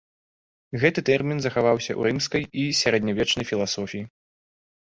Гэты тэрмін захаваўся ў рымскай і сярэднявечнай філасофіі.